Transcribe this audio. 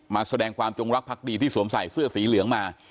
มาแสดงความจงรักพักดีที่สวมใส่เสื้อสีเหลืองมา